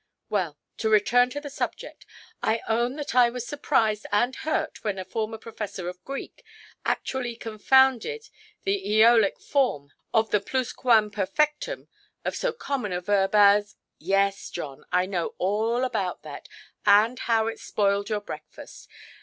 "Well, to return to the subject—I own that I was surprised and hurt when a former Professor of Greek actually confounded the Æolic form of the plusquam perfectum of so common a verb as——" "Yes, John, I know all about that, and how it spoiled your breakfast.